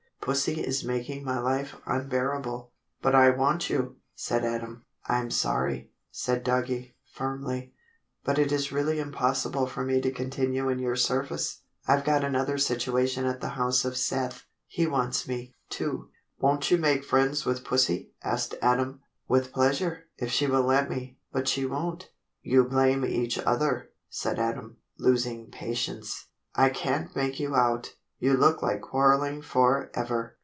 "Pussie is making my life unbearable." "But I want you," said Adam. "I'm sorry," said Doggie, firmly, "but it is really impossible for me to continue in your service. I've got another situation at the house of Seth. He wants me, too." "Won't you make friends with Pussie?" asked Adam. "With pleasure, if she will let me, but she won't." "You blame each other," said Adam, losing patience. "I can't make you out. You look like quarrelling for ever."